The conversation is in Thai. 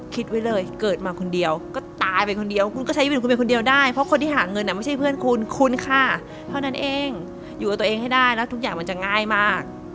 คิดไว้เลยเกิดมาคนเดียวก็ตายไปคนเดียวคุณก็ใช้ชีวิตของคุณเป็นคนเดียวได้เพราะคนที่หาเงินไม่ใช่เพื่อนคุณคุณค่ะเท่านั้นเองอยู่กับตัวเองให้ได้แล้วทุกอย่างมันจะง่ายมาก